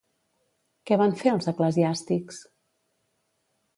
Què van fer els eclesiàstics?